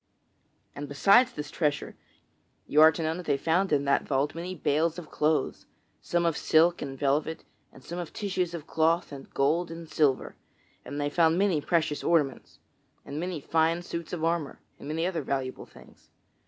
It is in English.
And besides this treasure, you are to know that they found in that vault many bales of cloths some of silk and velvet, and some of tissues of cloth of gold and silver; and they found many precious ornaments, and many fine suits of armor, and many other valuable things.